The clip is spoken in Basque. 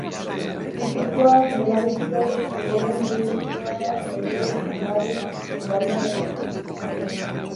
Mutikoa berari so zegoen begirada galduaz amaren sorbalda gainetik.